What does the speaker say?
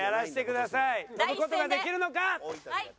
跳ぶ事ができるのか？